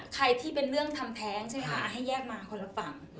ใครที่เป็นเรื่องทำแท้งใช่ไหมคะให้แยกมาคนละฝั่ง